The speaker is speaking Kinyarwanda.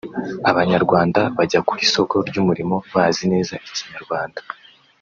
Abanyarwanda bajya ku isoko ry’umurimo bazi neza Ikinyarwanda